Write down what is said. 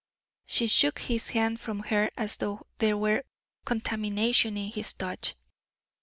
She shook his hand from her as though there were contamination in his touch.